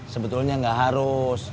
sebetulnya gak harus